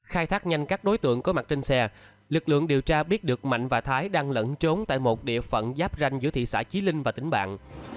khai thác nhanh các đối tượng có mặt trên xe lực lượng điều tra biết được mạnh và thái đang lẫn trốn tại một địa phận giáp ranh giữa thị xã chí linh và tỉnh bạn